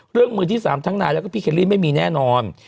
เรื่องมือที่สามทั้งนายแล้วก็พี่เคลลี่ไม่มีแน่นอน